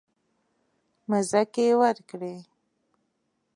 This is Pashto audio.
مځکې ورکړې.